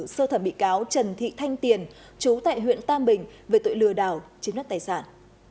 sơ thẩm bị cáo trần thị thanh tiền chú tại huyện tam bình về tội lừa đảo chiếm đất tài sản